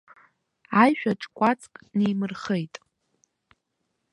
Аишәаҿ кәацк нимырхеит.